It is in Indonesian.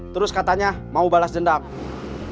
terus katanya mau balas dendam